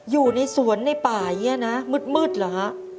อยู่ในสวนในป่าเหี้ยนะมืดเหรอครับ